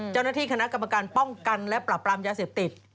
เจ้าหน้าที่คณะกรรมการป้องกันและปรับปรามยาเสพติด